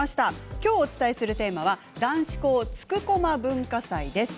今日、お伝えするテーマは男子校、筑駒文化祭です。